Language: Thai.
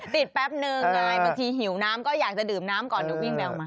ติดแป๊บหนึ่งบางทีหิวน้ำก็อยากจะดื่มน้ำก่อนหรือวิ่งไปออกมา